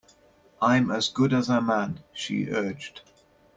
I'm as good as a man, she urged.